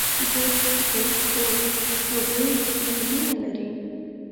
_کوټ، کوټ، کوټ… هغوی ګېډې نه لري!